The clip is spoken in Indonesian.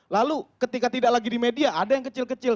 lalu ketika tidak lagi di media ada yang kecil kecil